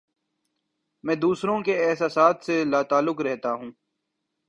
میں دوسروں کے احساسات سے لا تعلق رہتا ہوں